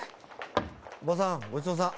おばさんごちそうさん。